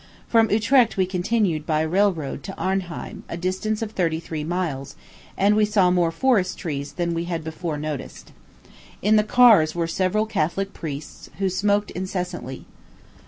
From Utrecht we continued, by railroad, to Arnheim, a distance of thirty three miles; and we saw more forest trees than we had before noticed. In the cars were several Catholic priests, who smoked incessantly.